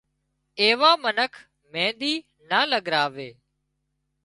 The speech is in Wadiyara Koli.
ايوان منک مينۮِي نا لڳراوي